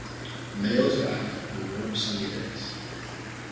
Males are active on warm sunny days.